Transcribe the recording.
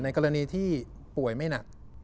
กรณีที่ป่วยไม่หนัก